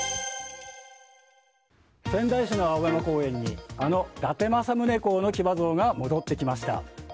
仙台市の青葉山公園にあの伊達政宗公の騎馬像が戻ってきました。